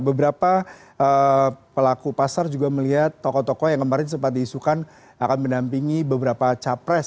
beberapa pelaku pasar juga melihat tokoh tokoh yang kemarin sempat diisukan akan mendampingi beberapa capres